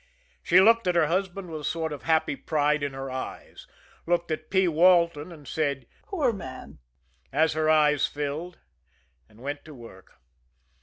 She looked at her husband with a sort of happy pride in her eyes; looked at P. Walton, and said, "Poor man," as her eyes filled and went to work.